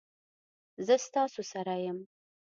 زه ستاسو سره یم